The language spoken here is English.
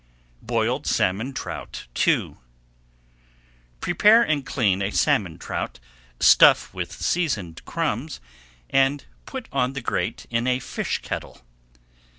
BOILED SALMON TROUT II Prepare and clean a salmon trout, stuff with seasoned crumbs, and put on the grate in a fish kettle.